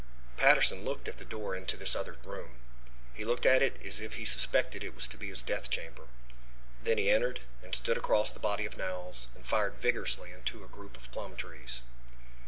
Patterson looked at the door into this other room. He looked at it as if he suspected it was to be his death chamber. Then he entered and stood across the body of Knowles and fired vigorously into a group of plum trees.